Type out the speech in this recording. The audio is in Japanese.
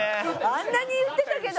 あんなに言ってたけど。